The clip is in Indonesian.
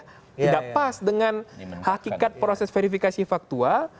ini menurut saya sudah tidak pas dengan hakikat proses verifikasi faktual